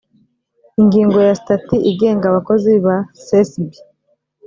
ingingo ya sitati igenga abakozi ba cesb